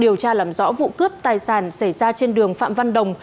điều tra làm rõ vụ cướp tài sản xảy ra trên đường phạm văn đồng